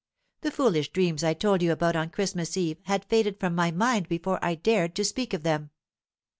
The foolish dreams I told you about on Christmas Eve had faded from my mind before I dared to speak of them.